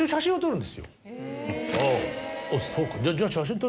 「あぁそうか」。